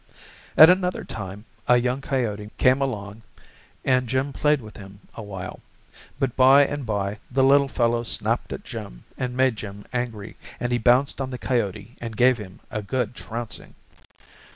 At another time a young coyote came along, and Jim played with him awhile. But by and by the little fellow snapped at Jim and made Jim angry, and he bounced on the coyote and gave him a good trouncing.